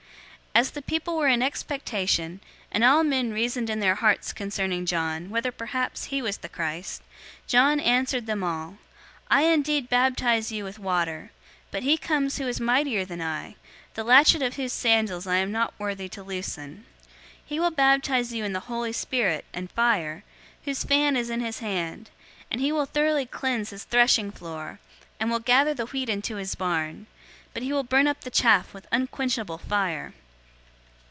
003:015 As the people were in expectation, and all men reasoned in their hearts concerning John, whether perhaps he was the Christ, 003:016 John answered them all, "I indeed baptize you with water, but he comes who is mightier than I, the latchet of whose sandals I am not worthy to loosen. He will baptize you in the Holy Spirit and fire, 003:017 whose fan is in his hand, and he will thoroughly cleanse his threshing floor, and will gather the wheat into his barn; but he will burn up the chaff with unquenchable fire."